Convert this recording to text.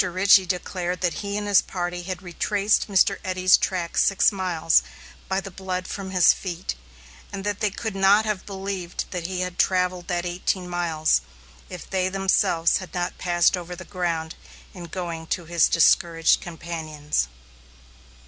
Richey declared that he and his party had retraced Mr. Eddy's track six miles, by the blood from his feet; and that they could not have believed that he had travelled that eighteen miles, if they themselves had not passed over the ground in going to his discouraged companions.